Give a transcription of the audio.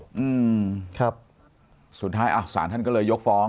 อืมสุดท้ายสารท่านก็เลยยกฟ้อง